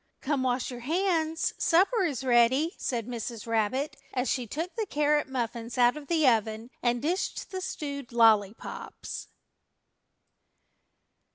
"Come, wash your hands; supper is ready," said Mrs. Rabbit, as she took the carrot muffins out of the oven and dished the stewed lollypops.